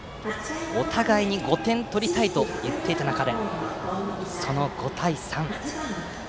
お互いに５点を取りたいと言っていた中で５対３。